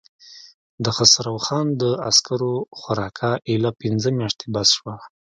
د خسرو خان د عسکرو خوراکه اېله پنځه مياشتې بس شوه.